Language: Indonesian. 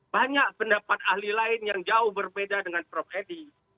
banyak pendapat ahli lain yang jauh berbeda dengan prof edi